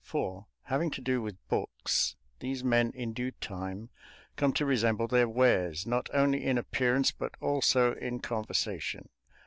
For, having to do with books, these men in due time come to resemble their wares not only in appearance but also in conversation.